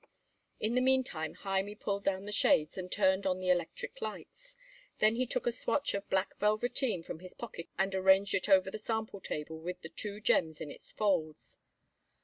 In the meantime Hymie pulled down the shades and turned on the electric lights. Then he took a swatch of black velveteen from his pocket and arranged it over the sample table with the two gems in its folds.